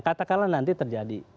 katakanlah nanti terjadi